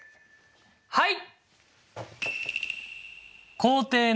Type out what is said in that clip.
はい！